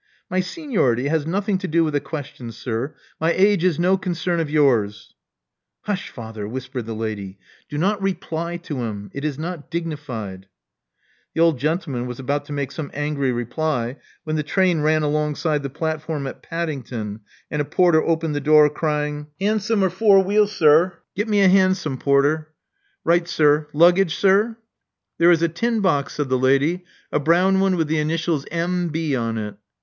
My seniority has nothing to do with the question, sir. My age is no concern of yours." Hush, father, whispered the lady. *' Do not reply to him. It is not dignified. " The old gentleman was about to make some angry reply, when the train ran alongside the platform at Paddington, and a porter opened the door, cr)nng, Ensom or foa' w*eol, sir." 66 Love Among the Artists Get me a hansom, porter." Right, sir. Luggage, sir?" There is a tin box," said the lady, a brown one with the initials M. B. on it."